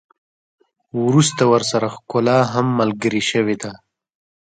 وروسته ورسره ښکلا هم ملګرې شوې ده.